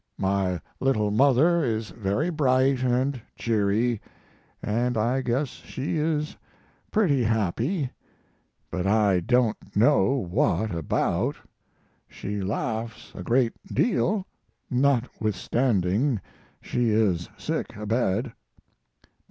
My little mother is very bright and cheery, and I guess she is pretty happy, but I don't know what about. She laughs a great deal, notwithstanding she is sick abed.